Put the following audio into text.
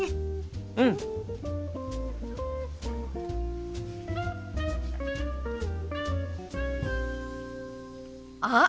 うん！あっ！